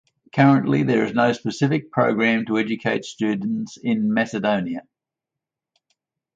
Currently there is no specific program to educate students in Macedonian.